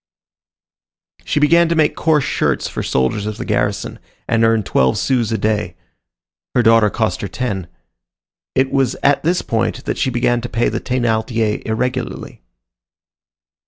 She began to make coarse shirts for soldiers of the garrison, and earned twelve sous a day. Her daughter cost her ten. It was at this point that she began to pay the Thénardiers irregularly.